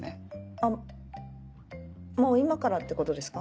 あのもう今からってことですか？